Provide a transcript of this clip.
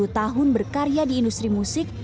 dua puluh tahun berkarya di industri musik